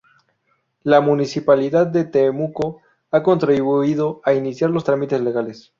La municipalidad de Temuco ha contribuido a iniciar los trámites legales.